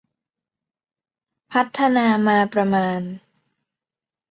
พัฒนามาประมาณ